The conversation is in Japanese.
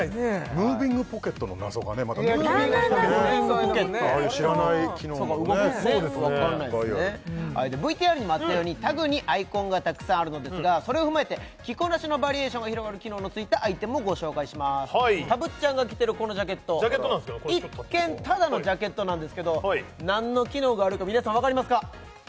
ムービングポケットああいう知らない機能もねいっぱいあるＶＴＲにもあったようにタグにアイコンがたくさんあるのですがそれを踏まえて着こなしのバリエーションが広がる機能の付いたアイテムをご紹介しますたぶっちゃんが着てるこのジャケット一見ただのジャケットなんですけど何の機能があるか皆さんわかりますか？